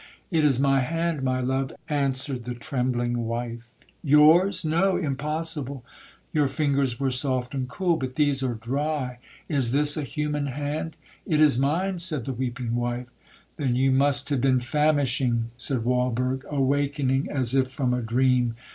'It is my hand, my love,' answered the trembling wife.—'Yours!—no—impossible!—Your fingers were soft and cool, but these are dry,—is this a human hand?'—'It is mine,' said the weeping wife. 'Then you must have been famishing,' said Walberg, awakening as if from a dream.